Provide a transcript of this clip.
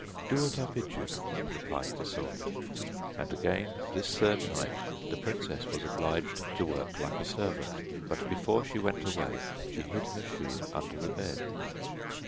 'Do what I bid you,' replied the soldier, and again this third night the princess was obliged to work like a servant, but before she went away, she hid her shoe under the bed.